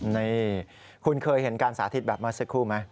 นี่คุณเคยเห็นการสาธิตแบบเมื่อสักครู่ไหม